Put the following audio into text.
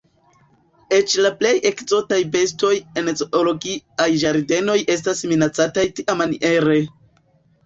Eĉ la plej ekzotaj bestoj en zoologiaj ĝardenoj estas minacataj tiamaniere!